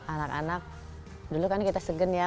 anak anak dulu kan kita segen ya